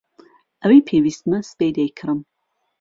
ئەوەی پێویستمە سبەی دەیکڕم.